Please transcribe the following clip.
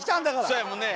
そうやもんね。